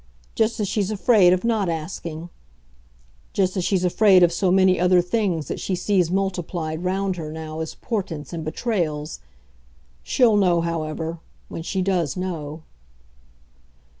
just as she's afraid of not asking; just as she's afraid of so many other things that she sees multiplied round her now as portents and betrayals. She'll know, however when she does know."